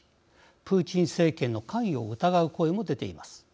プーチン政権の関与を疑う声も出ています。